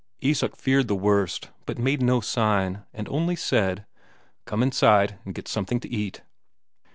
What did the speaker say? Isak feared the worst, but made no sign, and only said: "Come inside and get something to eat."